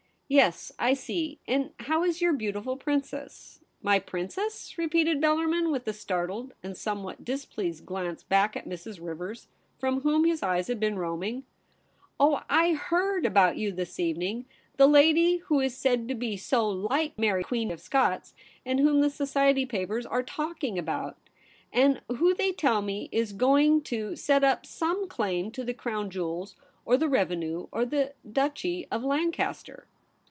' Yes, I see. And how is your beautiful princess ?'* My princess !' repeated Bellarmin, with a startled and somewhat displeased glance back at Mrs. Rivers, from whom his eyes had been roaming. * Oh, I heard 2^:)ou\, you this evening. The jkjdy who is said to be so like Mary Queen of Scots, and whom the society papers are talk ing about, and who, they tell me, is going to MADAME SPIN OLA AT HOME. 117 set up some claim to the Crown jewels, or the revenue, or the Duchy of Lancaster.'